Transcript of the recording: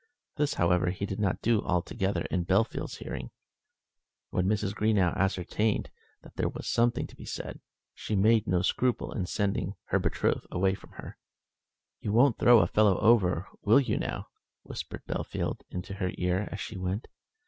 This, however, he did not do altogether in Bellfield's hearing. When Mrs. Greenow ascertained that there was something to be said, she made no scruple in sending her betrothed away from her "You won't throw a fellow over, will you, now?" whispered Bellfield into her ear as he went.